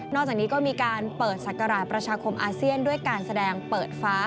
จากนี้ก็มีการเปิดศักราชประชาคมอาเซียนด้วยการแสดงเปิดฟ้า